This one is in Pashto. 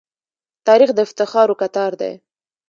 تاریخ د افتخارو کتار دی.